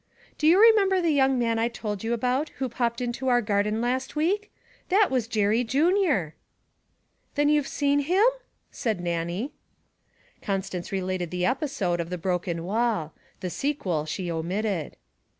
'Do you remember the young man I told you about who popped into our garden last week? That was Jerry Junior!' 'Then you've seen him?' said Nannie. Constance related the episode of the broken wall the sequel she omitted.